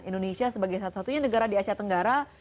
indonesia sebagai satu satunya negara di asia tenggara